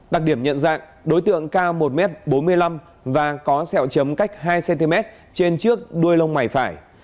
đặc điểm nhận dạng đối tượng cao một m bốn mươi năm và có xe hội tròn hai cm trên trước đuôi lông mải phải